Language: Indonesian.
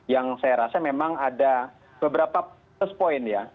yang saya rasa memang ada beberapa plus point ya